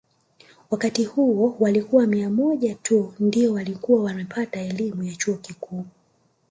Wakati huo walikuwa mia moja tu ndio walikuwa wamepata elimu ya chuo kikuu